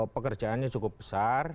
pekerjaannya cukup besar